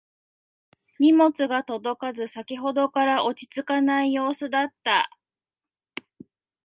荷物が届かず先ほどから落ち着かない様子だった